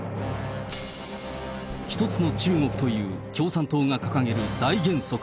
一つの中国という共産党が掲げる大原則。